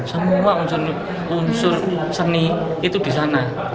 semua unsur seni itu di sana